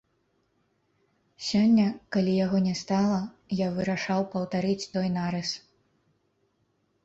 Сёння, калі яго не стала, я вырашаў паўтарыць той нарыс.